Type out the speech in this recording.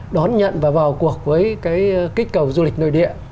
đón nhận và vào cuộc với cái kích cầu du lịch nội địa